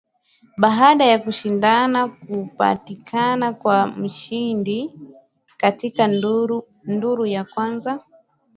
baada kushindana kupatikana kwa mshindi katika duru ya kwanza